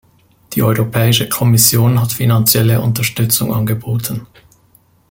Die Europäische Kommission hat finanzielle Unterstützung angeboten.